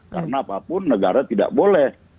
karena apapun negara tidak boleh